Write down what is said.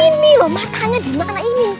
ini loh matanya di mana ini